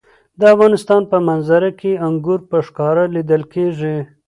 د افغانستان په منظره کې انګور په ښکاره لیدل کېږي.